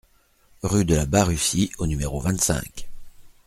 Rue de la Barrussie au numéro vingt-cinq